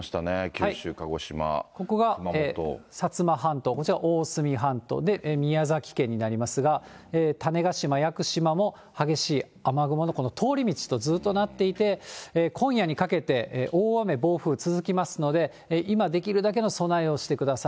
九州、鹿児島、ここが薩摩半島、こちら大隅半島、で、宮崎県になりますが、種子島、屋久島も激しい雨雲が、通り道とずっとなっていて、今夜にかけて、大雨、暴風続きますので、今できるだけの備えをしてください。